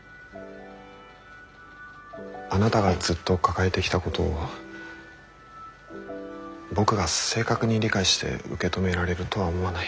あなたがずっと抱えてきたことを僕が正確に理解して受け止められるとは思わない。